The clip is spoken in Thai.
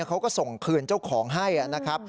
เขาก็ส่งคืนเจ้าของให้นะครับ